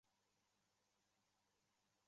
香西元盛是日本战国时代武将。